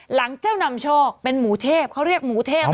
หลังเจ้านำโชคเป็นหมูเทพเขาเรียกหมูเทพ